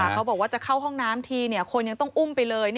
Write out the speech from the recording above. เขาบอกว่าจะเข้าห้องน้ำทีคนยังต้องอุ้มไปเลย